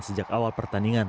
sejak awal pertandingan